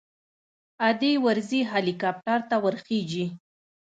ادې ورځي هليكاپټر ته ورخېژي.